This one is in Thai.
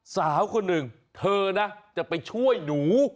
สาวคนหนึ่งเธอนะจะไปช่วยหนู